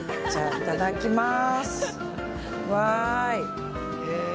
いただきます。